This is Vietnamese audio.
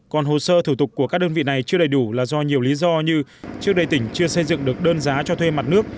còn hồ sơ thủ tục của các đơn vị này chưa đầy đủ là do nhiều lý do như trước đây tỉnh chưa xây dựng được đơn giá cho thuê mặt nước